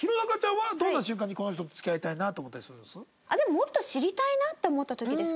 もっと知りたいなって思った時ですかね。